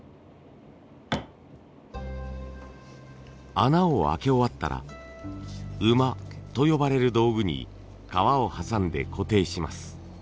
穴を開け終わったらウマと呼ばれる道具に革を挟んで固定します。